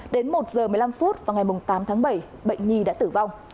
đến một h một mươi năm vào ngày tám tháng bảy bệnh nhi đã tử vong